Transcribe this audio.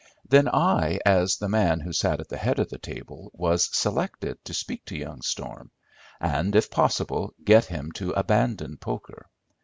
Then I, as the man who sat at the head of the table, was selected to speak to young Storm, and, if possible, get him to abandon poker.